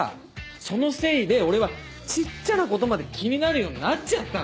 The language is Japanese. そのせいで俺は小っちゃなことまで気になるようになっちゃったの！